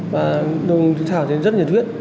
và đồng thủy thảo thì rất nhiệt huyết